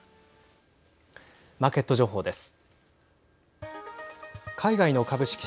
マーケット情報です。